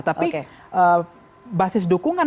nah basis dukungan